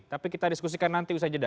tapi kita diskusikan nanti usai jeda